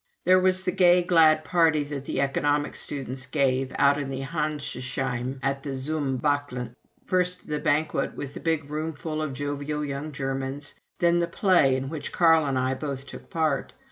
There was the gay, glad party that the Economic students gave, out in Handschusheim at the "zum Bachlenz"; first, the banquet, with a big roomful of jovial young Germans; then the play, in which Carl and I both took part.